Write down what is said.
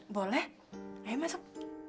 boleh ayo masuk